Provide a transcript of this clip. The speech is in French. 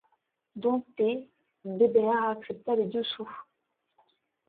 Dompté, Bébert accepta les deux sous.